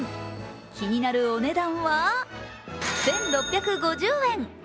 気になるお値段は１６５０円。